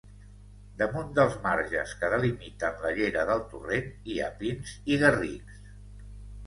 Damunt dels marges que delimiten la llera del torrent hi ha pins i garrics.